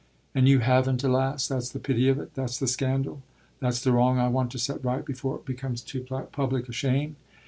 "And you haven't, alas; that's the pity of it, that's the scandal. That's the wrong I want to set right before it becomes too public a shame.